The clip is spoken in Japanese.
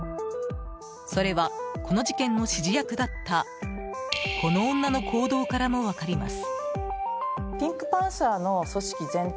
それはこの事件の指示役だったこの女の行動からも分かります。